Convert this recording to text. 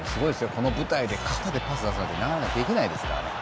この舞台で肩でパス出すのなかなかできないです。